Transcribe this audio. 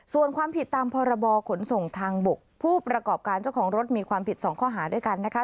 ส่วนความผิดตามพรบขนส่งทางบกผู้ประกอบการเจ้าของรถมีความผิดสองข้อหาด้วยกันนะคะ